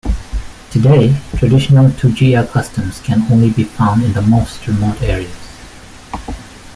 Today, traditional Tujia customs can only be found in the most remote areas.